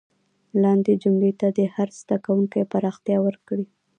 لاندې جملو ته دې هر زده کوونکی پراختیا ورکړي.